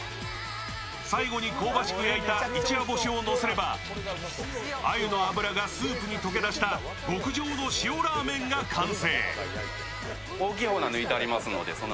最後に香ばしく焼いた一夜干しをのせれば、鮎の脂がスープに溶け出した極上の塩ラーメンが完成。